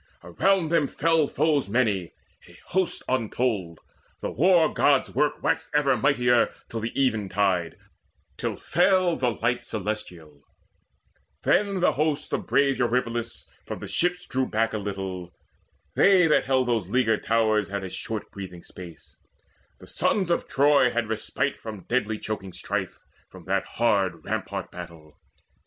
Around them fell Foes many, a host untold. The War god's work Waxed ever mightier till the eventide, Till failed the light celestial; then the host Of brave Eurypylus from the ships drew back A little: they that held those leaguered towers Had a short breathing space; the sons of Troy Had respite from the deadly echoing strife, From that hard rampart battle.